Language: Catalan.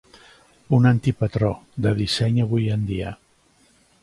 Un anti-patró de disseny avui en dia.